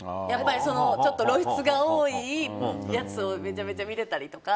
ちょっと露出が多いやつをめちゃめちゃ見てたりとか。